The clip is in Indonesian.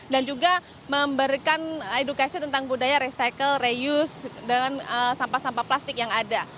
dan juga memberikan edukasi tentang budaya recycle reuse dan sampah sampah plastik yang ada